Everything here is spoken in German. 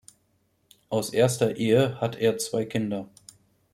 Aus erster Ehe hat er zwei Kinder.